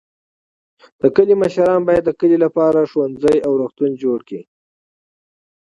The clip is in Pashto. د کلي مشران باید د کلي لپاره ښوونځی او روغتون جوړ کړي.